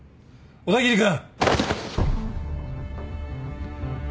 小田切君！